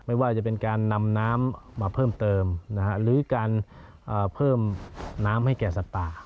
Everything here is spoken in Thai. ไม่ว่าจะเป็นการนำน้ำมาเพิ่มเติมหรือการเพิ่มน้ำให้แก่สัตว์ป่า